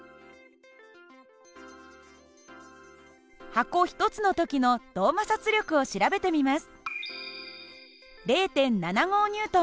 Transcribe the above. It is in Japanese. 箱１つの時の動摩擦力を調べてみます。